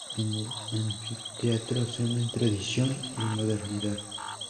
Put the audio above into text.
En el anfiteatro "se unen tradición y modernidad".